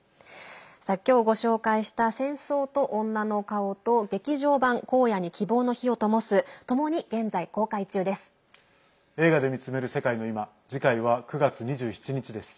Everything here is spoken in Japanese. きょうご紹介した「戦争と女の顔」と劇場版「荒野に希望の灯をともす」ともに現在、公開中です。